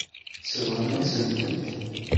Sebɣent-asen-tent.